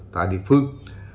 tại địa phương